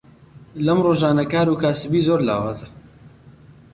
لەم ڕۆژانە کاروکاسبی زۆر لاوازە.